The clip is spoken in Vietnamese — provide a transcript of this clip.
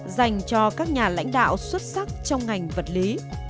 dành cho các nhà lãnh đạo xuất sắc trong ngành vật lý